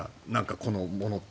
このものって。